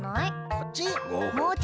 こっち？